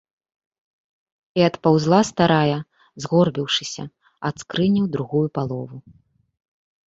І адпаўзла старая, згорбіўшыся, ад скрыні ў другую палову.